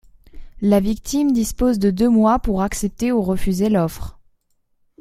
La victime dispose de deux mois pour accepter ou refuser l'offre.